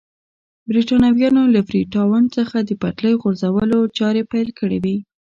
برېټانویانو له فري ټاون څخه د پټلۍ غځولو چارې پیل کړې وې.